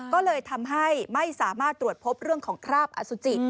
ก็เลยทำให้ไม่สามารถตรวจพบเรื่องของคราบอสุจิ